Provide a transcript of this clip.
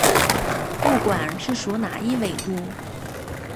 不管是属哪一纬度。